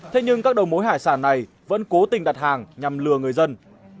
thế nhưng các đầu mối hải sản này vẫn cố tình đặt hàng nhằm lừa người dân